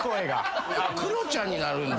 クロちゃんになるんだ。